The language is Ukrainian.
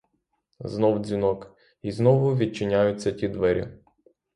Знов дзвінок, і знову відчиняються ті двері.